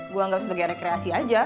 gue anggap sebagai rekreasi aja